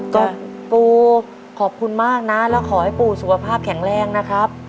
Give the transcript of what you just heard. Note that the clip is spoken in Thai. ก็ปูขอบคุณมากนะแล้วขอให้ปู่สุขภาพแข็งแรงนะครับ